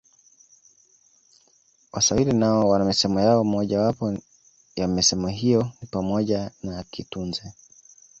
Waswahili nao wana misemo yao Moja wapo ya misemo hiyo ni pamoja na kitunze